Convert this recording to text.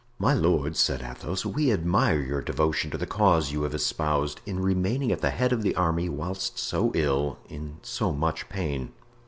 "My lord," said Athos, "we admire your devotion to the cause you have espoused, in remaining at the head of the army whilst so ill, in so much pain."